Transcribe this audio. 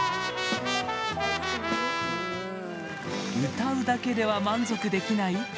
歌うだけでは満足できない？